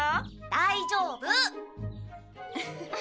大丈夫！